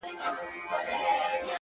زما د ښار ځوان ـ